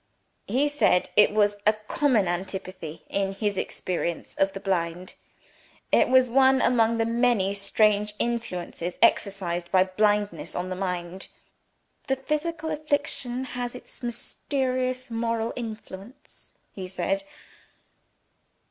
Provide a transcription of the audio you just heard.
"He said it was a common antipathy in his experience of the blind. It was one among the many strange influences exercised by blindness on the mind. 'The physical affliction has its mysterious moral influence,' he said.